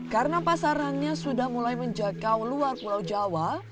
karena pasarannya sudah mulai menjaga luar pulau jawa